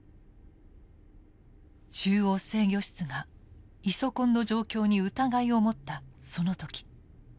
中央制御室がイソコンの状況に疑いを持ったその時。